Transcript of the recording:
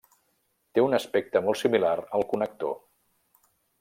Té un aspecte molt similar al connector.